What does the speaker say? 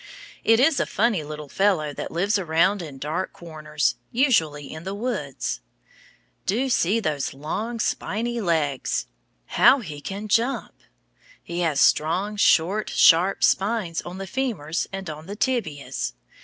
It is a funny little fellow that lives around in dark corners, usually in the woods. Do see those long, spiny legs! How he can jump. He has strong, short, sharp spines on the femurs and on the tibias.